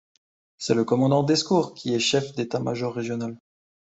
C'est le commandant Descour qui est chef d'état-major régional.